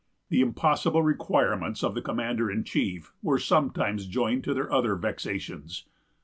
The impossible requirements of the commander in chief were sometimes joined to their other vexations.